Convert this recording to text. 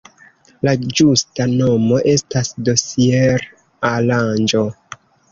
La ĝusta nomo estas dosier-aranĝo.